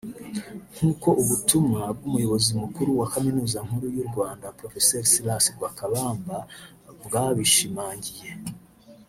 nk’uko ubutumwa bw’Umuyobozi Mukuru wa Kaminuza nkuru y’u Rwanda Prof Silas Lwakabamba bwabishimangiye